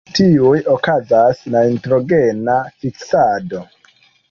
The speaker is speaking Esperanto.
En tiuj okazas la nitrogena fiksado.